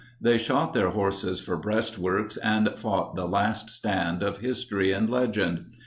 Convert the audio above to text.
They shot their horses for breastworks and fought the "last stand" of history and legend.